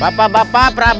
gak ada apa apa